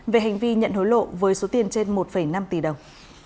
về hành vi nhận hối lộ với số tiền trên một năm tỷ đồng